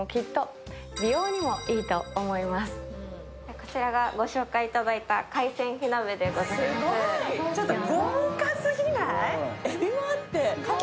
こちらがご紹介いただいた海鮮火鍋でございずつ。